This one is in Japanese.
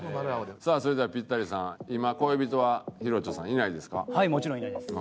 さあそれではピッタリさん今恋人はヒロチョさんいないですか？